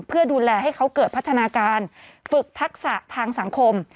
เพื่อดูแลให้เขาเกิดพัฒนาการฝึกทักษะทางสังคม